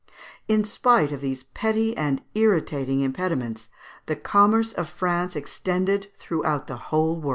In spite of these petty and irritating impediments, the commerce of France extended throughout the whole world.